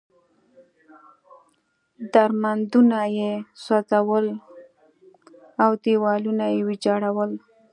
درمندونه یې سوځول او دېوالونه یې ویجاړول.